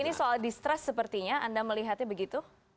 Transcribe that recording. ini soal distrust sepertinya anda melihatnya begitu